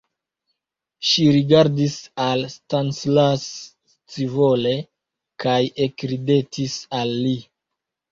Ŝi rigardis al Stanislas scivole kaj ekridetis al li.